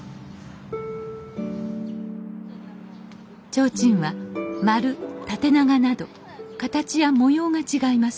提灯は丸縦長など形や模様が違います。